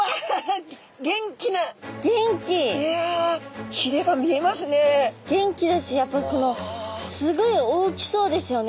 元気だしやっぱこのすごい大きそうですよね。